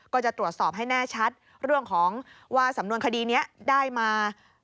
ก็จะตรวจสอบให้แน่ชัดเรื่องของว่าสำนวนคดีนี้ได้มา